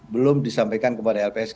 belum disampaikan kepada lpsk